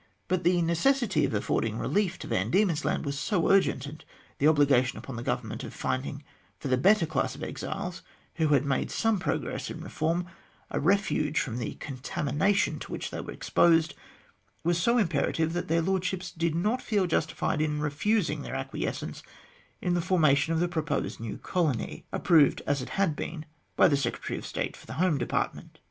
But the necessity of affording relief to Van Diemen's Land was so urgent, and the obligation upon the Government of finding for the better class of exiles, who had made some progress in reform, a refuge from the contamina tion to which they were then exposed, was so imperative, that their Lordships did not feel justified in refusing their acquiescence in the formation of the proposed new colony, approved, as it had also been, by the Secretary of State for the Home Department.